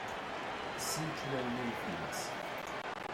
Ssencew allen-im fell-as!